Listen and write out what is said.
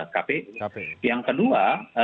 kpu yang kedua